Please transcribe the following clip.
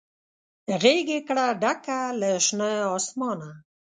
غیږ یې کړه ډکه له شنه اسمانه